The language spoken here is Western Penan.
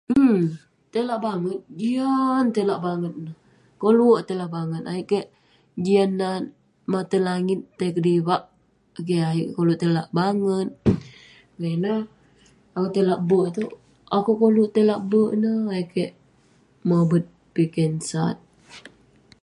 um Tai lak banget, jian tai banget ineh. Koluk akouk tai lak banget, ayuk kek jian nat maten langit tai kedivak. Keh ayuk kik koluk tai lak banget. Ngah ineh, akouk tai lak be'ek itouk. Akouk koluk tai lak be'ek ineh ayuk kek mobet piken sat.